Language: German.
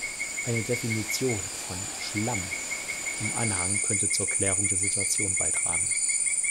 Eine Definition von "Schlamm" im Anhang könnte zur Klärung der Situation beitragen.